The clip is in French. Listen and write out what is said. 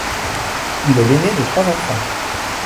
Il est l'aîné de trois enfants.